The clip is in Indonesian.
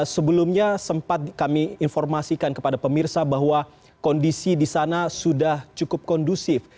sebelumnya sempat kami informasikan kepada pemirsa bahwa kondisi di sana sudah cukup kondusif